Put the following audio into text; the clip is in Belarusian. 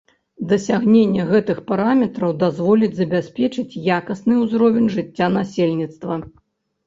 Дасягненне гэтых параметраў дазволіць забяспечыць якасны ўзровень жыцця насельніцтва.